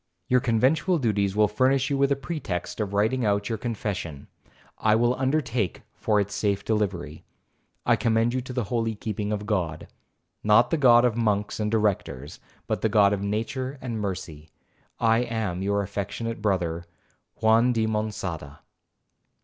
Your conventual duties will furnish you with a pretext of writing out your confession,—I will undertake for its safe delivery. I commend you to the holy keeping of God,—not the God of monks and directors, but the God of nature and mercy.—I am your affectionate brother, JUAN DI MONÇADA.'